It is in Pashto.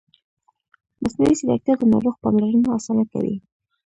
مصنوعي ځیرکتیا د ناروغ پاملرنه اسانه کوي.